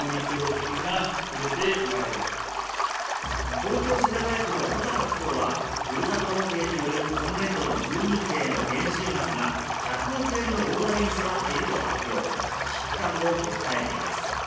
東京・世田谷区の保坂区長は、ふるさと納税による今年度の住民税の減収額が１００億円の大台に迫っていると危機感を訴えています。